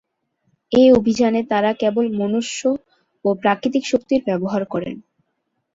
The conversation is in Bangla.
এ অভিযানে তারা কেবল মনুষ্য ও প্রাকৃতিক শক্তি ব্যবহার করেন।